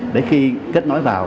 để khi kết nối vào